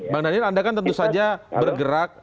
bang daniel anda kan tentu saja bergerak